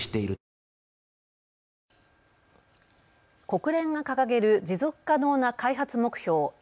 国連が掲げる持続可能な開発目標